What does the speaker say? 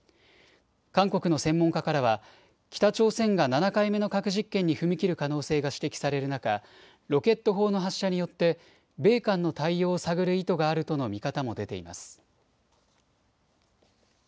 韓国の専門家からは北朝鮮が７回目の核実験に踏み切る可能性が指摘される中、ロケット砲の発射によって米韓の対応を探る意図があるとの見方も出ています。